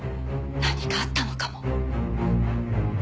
何かあったのかも。